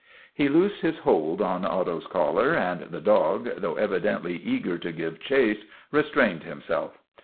He loosed his hold on Otto's collar and the dog, though evidently eager to give chase, restrained him self.